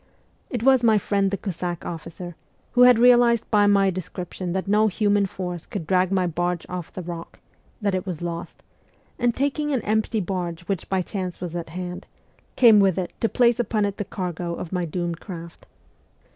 It was my friend the Cossack officer, who had realized by my descrip tion that no human force could drag my barge off the rock that it was lost and taking ' an empty barge which by chance was at hand, came with it to place upon it the cargo of my doomed craft.